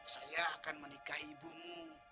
saya akan menikahi ibumu